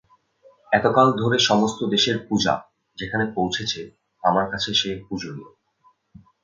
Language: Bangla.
এতকাল ধরে সমস্ত দেশের পূজা যেখানে পৌঁচেছে আমার কাছে সে পূজনীয়।